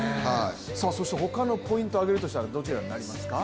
そして他のポイントをあげるとしたらどちらになりますか？